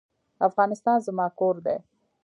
افغانستان زما کور دی؟